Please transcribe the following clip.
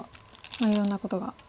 まあいろんなことが。